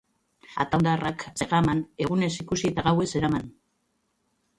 Ataundarrak Zegaman, egunez ikusi eta gauez eraman.